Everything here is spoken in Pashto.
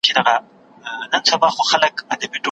دا یې هېر سول چي پردي دي وزرونه